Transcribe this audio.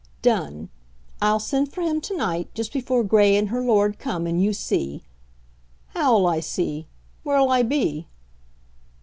"Done! I'll send for him to night, just before Gray and her Lord come, and you see " "How'll I see? Where'll I be?"